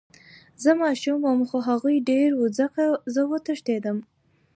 زه ماشوم وم خو هغوي ډير وو ځکه زه وتښتېدم.